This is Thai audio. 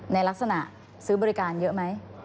ในลักษณะซื้อบริการเยอะไหม